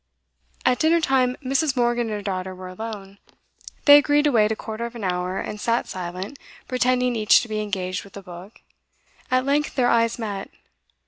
At dinner time, Mrs. Morgan and her daughter were alone. They agreed to wait a quarter of an hour, and sat silent, pretending each to be engaged with a book. At length their eyes met.